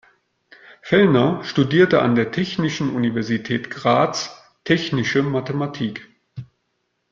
Fellner studierte an der Technischen Universität Graz technische Mathematik.